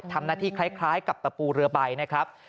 ทำหน้าที่คล้ายกับตะปูเรือใบนะครับ